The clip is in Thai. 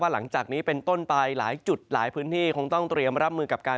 หลังจากนี้เป็นต้นไปหลายจุดหลายพื้นที่คงต้องเตรียมรับมือกับการ